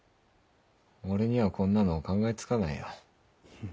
俺にはこんなの考えつかないよ。